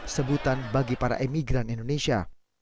sebutan bagi para imigran indonesia